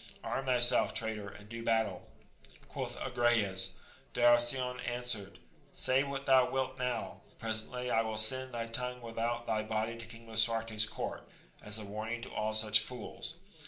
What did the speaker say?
Arm thyself, traitor, and do battle ! quoth Agrayes. Darasion answered, say what thou wilt now ! presently I will send thy tongue without thy body to King Lisuarte's court, as a warning to all such fools